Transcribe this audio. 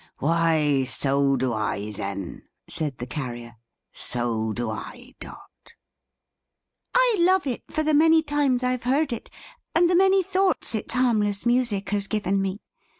"Why so do I then," said the Carrier. "So do I, Dot." "I love it for the many times I have heard it, and the many thoughts its harmless music has given me.